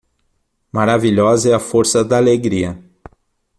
Maravilhosa é a força da alegria.